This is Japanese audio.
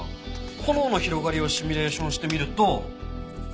炎の広がりをシミュレーションしてみると。